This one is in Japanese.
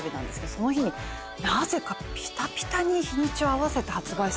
その日になぜかぴたぴたに日にちを合わせて発売される。